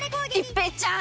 一平ちゃーん！